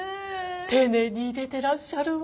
丁寧にいれてらっしゃるわ。